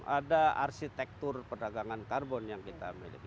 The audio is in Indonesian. ada arsitektur perdagangan karbon yang kita miliki